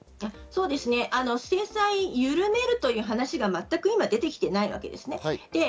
制裁をゆるめる話は全く今、出てきていないわけです。